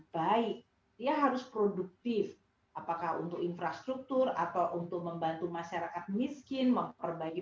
baik dia harus produktif apakah untuk infrastruktur atau untuk membantu masyarakat miskin memperbaiki